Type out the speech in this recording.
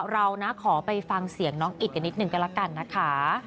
เรานะขอไปฟังเสียงน้องอิดกันนิดนึงก็ละกันนะคะ